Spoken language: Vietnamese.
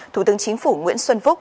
thủ tướng chính phủ nguyễn xuân phúc